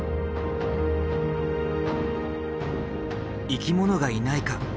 生き物がいないか？